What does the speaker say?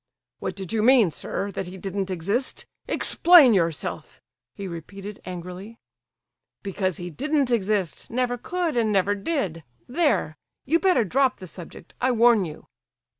"What did you mean, sir, that he didn't exist? Explain yourself," he repeated, angrily. "Because he didn't exist—never could and never did—there! You'd better drop the subject, I warn you!"